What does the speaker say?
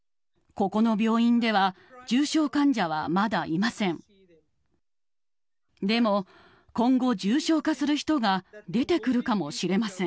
ここの病院では、重症患者はまだいません。